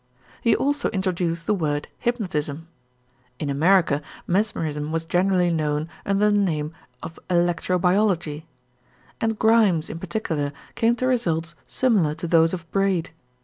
He also introduced the word hypnotism. In America mesmerism was generally known under the name of electrobiology; and Grimes in particular came to results similar to those of Braid.